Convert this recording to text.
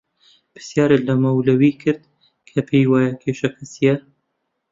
پرسیارت لە مەولەوی کرد کە پێی وایە کێشەکە چییە؟